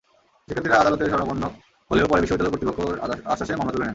শিক্ষার্থীরা আদালতের শরণাপন্ন হলেও পরে বিশ্ববিদ্যালয় কর্তৃপক্ষের আশ্বাসে মামলা তুলে নেন।